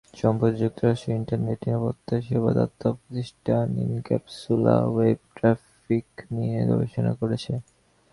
সম্প্রতি যুক্তরাষ্ট্রের ইন্টারনেট নিরাপত্তা সেবাদাতা প্রতিষ্ঠান ইনক্যাপসুলা ওয়েব ট্রাফিক নিয়ে গবেষণা করেছে।